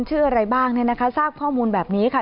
ชื่ออะไรบ้างเนี่ยนะคะทราบข้อมูลแบบนี้ค่ะ